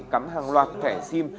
cắm hàng loạt thẻ sim